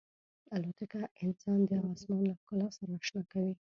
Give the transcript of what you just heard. الوتکه انسان د آسمان له ښکلا سره اشنا کوي.